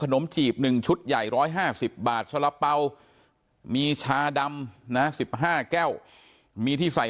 นมจีบ๑ชุดใหญ่๑๕๐บาทสละเป๋ามีชาดำนะ๑๕แก้วมีที่ใส่